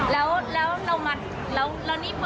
แล้วนี่เปิดทำไมครับ